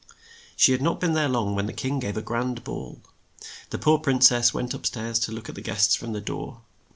She had not been there long when the king gave a grand ball. The poor prin cess went up stairs to look at the guests from the door.